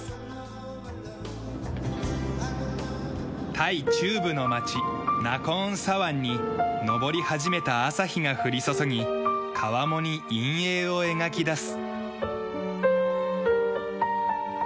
タイ中部の町ナコーンサワンに昇り始めた朝日が降り注ぎ川面に陰影を描き出す。